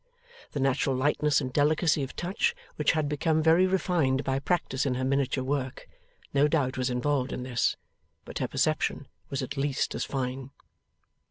The natural lightness and delicacy of touch which had become very refined by practice in her miniature work, no doubt was involved in this; but her perception was at least as fine.